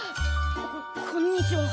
ここんにちは。